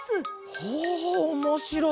ほうおもしろい！